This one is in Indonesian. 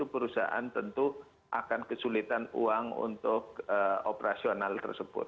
perusahaan tentu akan kesulitan uang untuk operasional tersebut